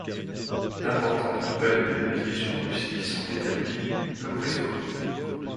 D'importantes compagnies de navigation russes y sont établies comme Prisco.